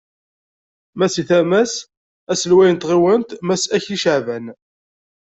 Ma si tama-s, aselway n tɣiwant Mass Akli Caɛban.